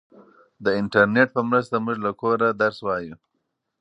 د انټرنیټ په مرسته موږ له کوره درس وایو.